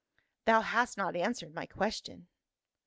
"Thou hast not answered my question."